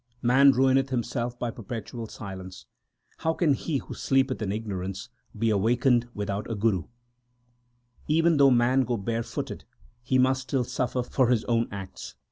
Man ruineth himself by perpetual silence ; how can he who sleepeth in ignorance be awakened without a guru. Even though man go barefooted, he must still suffer for his own acts.